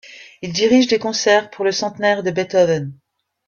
Il dirige des concerts pour le centenaire de Beethoven.